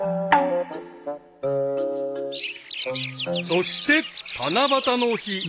［そして七夕の日］